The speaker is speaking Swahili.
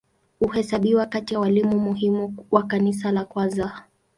Huhesabiwa kati ya walimu muhimu wa Kanisa la kwanza.